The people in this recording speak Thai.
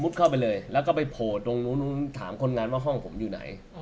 เข้าไปเลยแล้วก็ไปโผล่ตรงนู้นถามคนงานว่าห้องผมอยู่ไหน